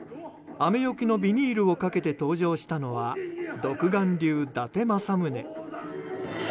雨除けのビニールをかけて登場したのは独眼竜・伊達政宗。